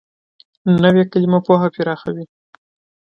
نوې کلیمه پوهه پراخوي